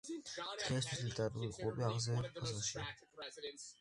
დღეისათვის ლიტერატურული კლუბი აღზევების ფაზაშია.